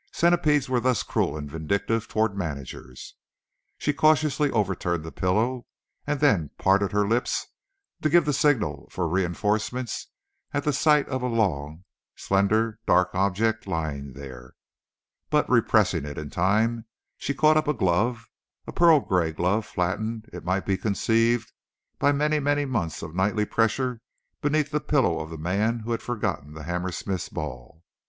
Centipedes were thus cruel and vindictive toward managers. She cautiously overturned the pillow, and then parted her lips to give the signal for reinforcements at sight of a long, slender, dark object lying there. But, repressing it in time, she caught up a glove, a pearl gray glove, flattened—it might be conceived—by many, many months of nightly pressure beneath the pillow of the man who had forgotten the Hammersmiths' ball.